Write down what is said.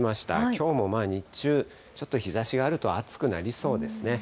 きょうも日中、ちょっと日ざしがあると、暑くなりそうですね。